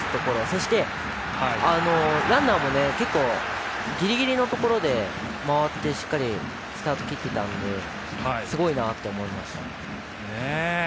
そして、ランナーも結構、ギリギリのところで回って、しっかりスタート切ってたんですごいなと思いました。